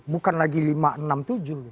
bukan lagi lima enam tujuh